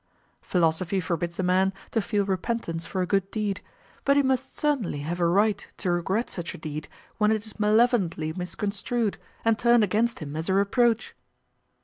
Philosophy forbids a man to feel repentance for a good deed, but he must certainly have a right to regret such a deed when it is malevolently misconstrued, and turned against him as a reproach.